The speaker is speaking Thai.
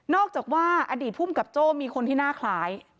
อกจากว่าอดีตภูมิกับโจ้มีคนที่หน้าคล้าย